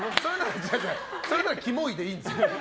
それはキモいでいいんですよ。